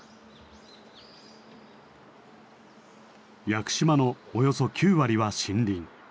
屋久島のおよそ９割は森林。